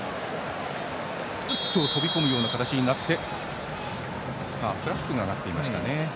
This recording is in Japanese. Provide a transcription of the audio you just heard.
飛び込むような形になってフラッグが上がっていました。